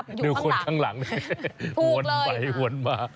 ก็เลยอยากจะทำ